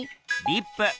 リップ。